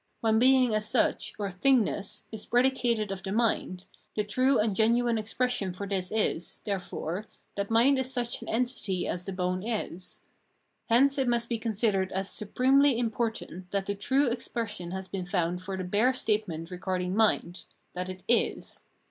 When being as such, or thingness, is predicated of the mind, the true and genuine expression for this is, therefore, that mind is such an entity as a bone is. Hence it must be considered as supremely important that the true expression has been found for the bare statement regarding mind — that it is.